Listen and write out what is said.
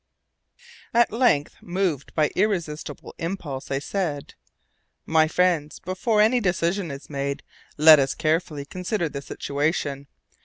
At length, moved by irresistible impulse, I said: "My friends, before any decision is made, let us carefully consider the situation.